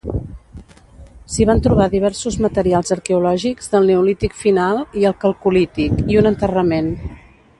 S'hi van trobar diversos materials arqueològics del Neolític Final i el Calcolític, i un enterrament.